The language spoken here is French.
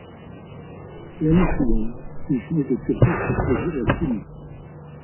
L'année suivante, il change de cursus pour choisir la chimie.